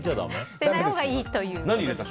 捨てないほうがいいという。